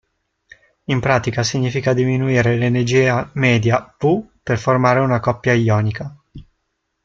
In pratica significa diminuire l'energia media W per formare una coppia ionica.